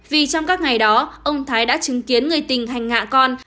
vì trong các ngày đó ông thái đã chứng kiến người tình hành ngạ con